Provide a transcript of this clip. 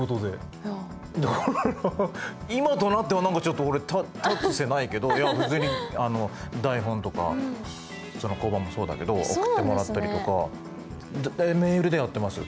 だから今となっては何かちょっと俺立つ瀬ないけどいや普通に台本とか香盤もそうだけど送ってもらったりとかメールでやってます。